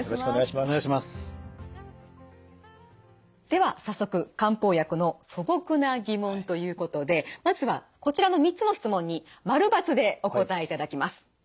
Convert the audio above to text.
では早速漢方薬の素朴な疑問ということでまずはこちらの３つの質問に○×でお答えいただきます。